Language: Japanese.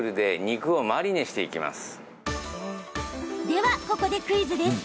では、ここでクイズです。